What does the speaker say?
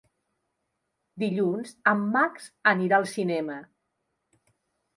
Dilluns en Max anirà al cinema.